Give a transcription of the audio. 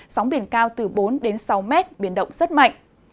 sóng biển cao từ bốn đến sáu mét biển động rất mạnh